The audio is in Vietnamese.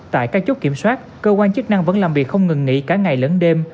tại các chốt kiểm soát cơ quan chức năng vẫn làm việc không ngừng nghỉ cả ngày lẫn đêm